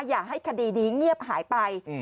อย่าให้คดีนี้เงียบหายไป